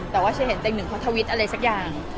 แต่เชียงเห็นเต๊งหนึ่งเค้าท่วิทย์อะไรสักอย่าง